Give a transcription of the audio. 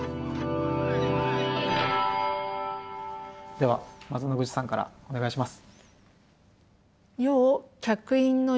ではまず野口さんからお願いします。